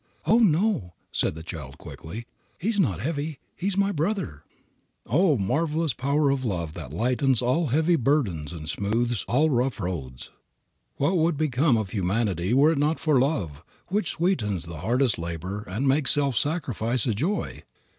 "Oh, no," said the child quickly, "he's not heavy; he's my brother." Oh, marvelous power of love that lightens all heavy burdens and smooths all rough roads! What would become of humanity were it not for love, which sweetens the hardest labor and makes self sacrifice a joy?